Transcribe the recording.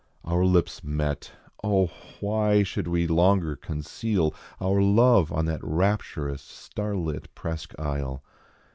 Our lips met, Oh ! why should we longer conceal Our love on that rapturous, star lit Presque Isle?